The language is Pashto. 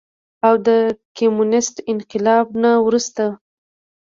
او د کميونسټ انقلاب نه وروستو